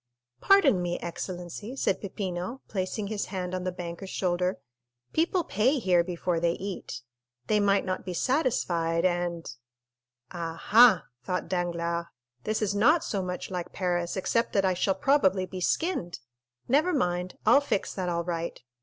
"Pardon me, excellency," said Peppino, placing his hand on the banker's shoulder; "people pay here before they eat. They might not be satisfied, and——" "Ah, ha," thought Danglars, "this is not so much like Paris, except that I shall probably be skinned! Never mind, I'll fix that all right.